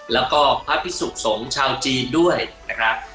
แล้วก็พระพิสุขสงฆ์ชาวจีนด้วยนะครับ